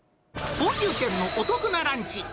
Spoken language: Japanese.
高級店のお得なランチ。